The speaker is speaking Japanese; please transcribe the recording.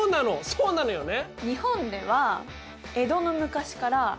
そうなのよね！